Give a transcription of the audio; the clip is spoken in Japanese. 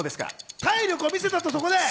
体力を見せたと、そこで。